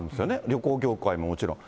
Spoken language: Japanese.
旅行業界ももちろん。